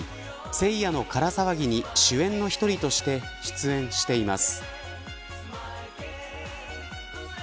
聖夜のから騒ぎに主演の１人として出演しています。